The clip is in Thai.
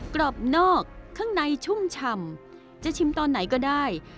กรอบนอกข้างในชุ่มฉ่ำจะชิมตอนไหนก็ได้